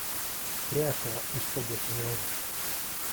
The airport is publicly owned.